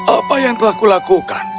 apa yang telah kulakukan